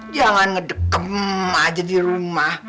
jangan ngedekem aja di rumah